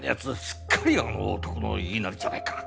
すっかりあの男の言いなりじゃないか。